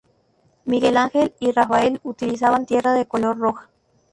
Miguel Ángel y Rafael utilizaban tierra de color roja.